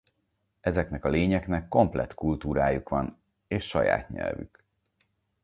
Ezeknek a lényeknek komplett kultúrájuk van és saját nyelvük.